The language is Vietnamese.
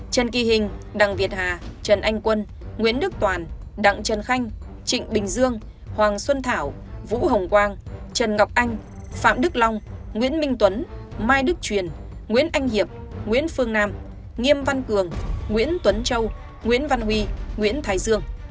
trần kỳ hình đặng việt hà trần anh quân nguyễn đức toàn đặng trần khanh trịnh bình dương hoàng xuân thảo vũ hồng quang trần ngọc anh phạm đức long nguyễn minh tuấn mai đức truyền nguyễn anh hiệp nguyễn phương nam nghiêm văn cường nguyễn tuấn châu nguyễn văn huy nguyễn thái dương